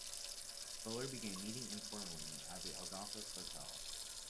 Bullard began meeting informally at the Adolphus Hotel.